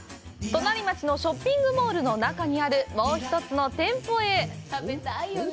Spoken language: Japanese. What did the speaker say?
隣町のショッピングモールの中にあるもう一つの店舗へ。